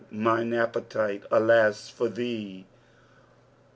mine appetite, alas! for thee!